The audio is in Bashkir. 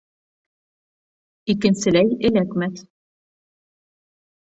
Икенселәй эләкмәҫ.